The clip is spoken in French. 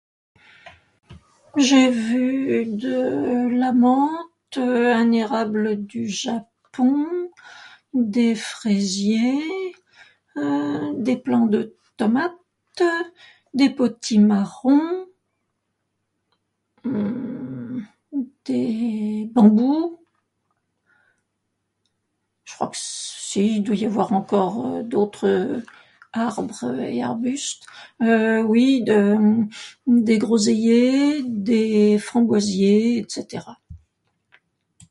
J'ai vu de la menthe, un érable du Japon, des fraisiers, des plants de tomates, des potimarrons, des bambous, je crois que c'est, il doit y avoir encore d'autres arbres et arbustes, oui, de, des groseilliers, des framboisiers, etc.